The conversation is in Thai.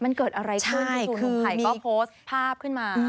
มันเกิดอะไรขึ้นที่ธุมภัยก็โพสต์ภาพขึ้นมา